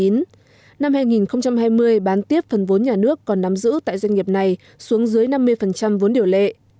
năm hai nghìn hai mươi bán tiếp phần vốn nhà nước còn nắm giữ tại doanh nghiệp này xuống dưới năm mươi vốn điều lệ